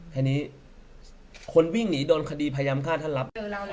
ทีนี้คนวิ่งหนีโดนคดีพยายามฆ่าท่านรับ